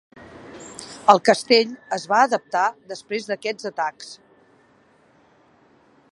El castell es va adaptar després d"aquests atacs.